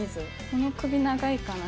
この首長いかな。